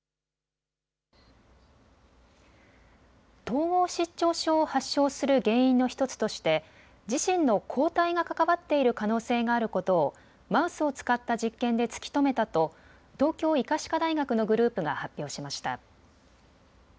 統合失調症を発症する原因の１つとして自身の抗体が関わっている可能性があることをマウスを使った実験で突き止めたと東京医科歯科大学のグループが発表しました。